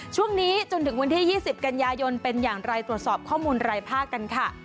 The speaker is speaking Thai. ช่วงนี้จนถึงวันที่๒๐กันยายนเป็นอย่างไรตรวจสอบข้อมูลรายภาคกันค่ะ